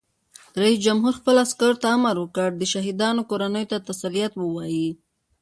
رئیس جمهور خپلو عسکرو ته امر وکړ؛ د شهیدانو کورنیو ته تسلیت ووایئ!